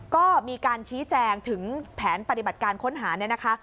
ก็มีการชี้แจงถึงแผนปฏิบัติการค้นหาเนี่ยนะคะ